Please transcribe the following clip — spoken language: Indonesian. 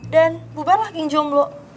dan bubarlah geng jomblo